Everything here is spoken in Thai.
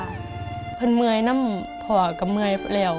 หนูเมื่อยนำพ่อกับเมื่อยแล้ว